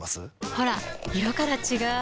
ほら色から違う！